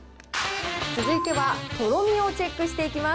続いてはとろみをチェックしていきます。